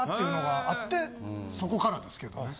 そこからですけどね。